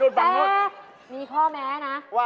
แต่มีข้อแม้นะ